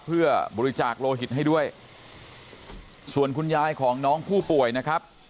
เพื่อบริจาคโลหิตให้ด้วยส่วนคุณยายของน้องผู้ป่วยนะครับ